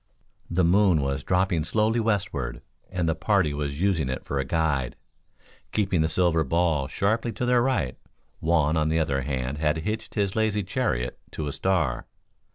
The moon was dropping slowly westward, and the party was using it for a guide, keeping the silver ball sharply to their right. Juan on the other hand had hitched his lazy chariot to a star.